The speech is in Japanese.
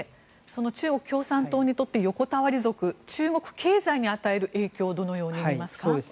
中国共産党にとって横たわり族中国経済に与える影響をどのように見ますか？